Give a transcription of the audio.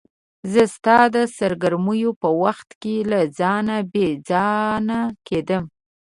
زه ستا د سرګرمیو په وخت کې له ځانه بې ځانه کېدم.